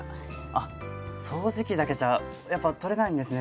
あっ掃除機だけじゃやっぱ取れないんですね